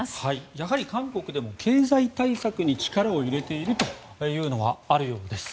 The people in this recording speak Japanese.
やはり韓国でも経済対策に力を入れているというのはあるようです。